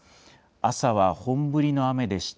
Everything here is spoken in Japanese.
朝は本降りの雨でした。